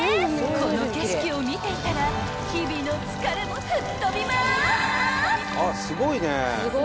［この景色を見ていたら日々の疲れも吹っ飛びます！］